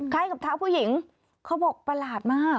กับเท้าผู้หญิงเขาบอกประหลาดมาก